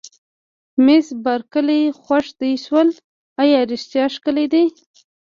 مس بارکلي: خوښ دې شول، ایا رښتیا ښکلي دي؟